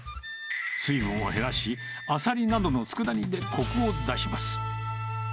水分を減らし、アサリなどのつくだ煮でこくを出します。